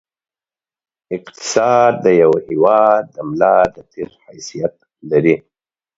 اقتصاد د یوه هېواد د ملا د تېر حیثیت لري.